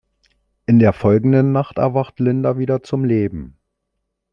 In der folgenden Nacht erwacht Linda wieder zum Leben.